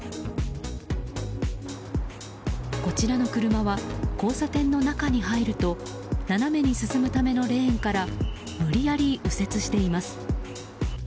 こちらの車は交差点の中に入ると斜めに進むためのレーンから無理やり右折しています。